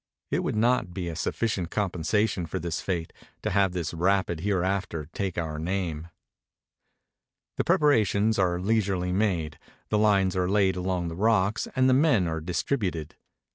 It would not be a sufficient compensation for this fate to have this rapid hereafter take our name. The preparations are leisurely made, the Hnes are laid along the rocks and the men are distributed.